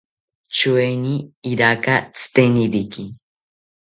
Choeni iraka tziteniriki